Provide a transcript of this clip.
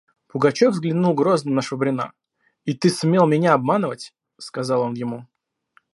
Пугачев взглянул грозно на Швабрина: «И ты смел меня обманывать! – сказал он ему.